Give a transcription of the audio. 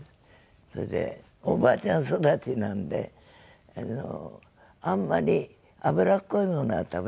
それでおばあちゃん育ちなのであんまり脂っこいものは食べない。